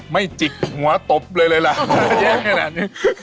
ไม่จิกหัวตบเลยละเชฟแค่แน่นนึง